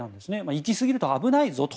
行き過ぎると危ないぞと。